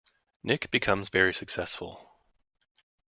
Nick becomes very successful.